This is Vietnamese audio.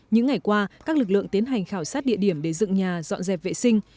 những ngày qua các lực lượng tiến hành khảo sát địa điểm để dựng nhà dọn dẹp vệ sinh